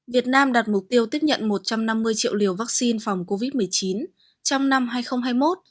việt nam đặt mục tiêu tiếp nhận một trăm năm mươi triệu liều vaccine phòng covid một mươi chín trong năm hai nghìn hai mươi một